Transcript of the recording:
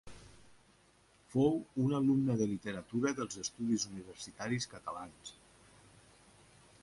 Fou alumna de literatura dels Estudis Universitaris Catalans.